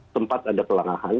tempat ada pelangahan